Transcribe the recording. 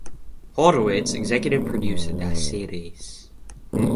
Horowitz executive produced the series.